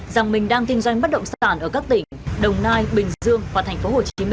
rằng mình đang kinh doanh bất động sản ở các tỉnh đồng nai bình dương và tp hcm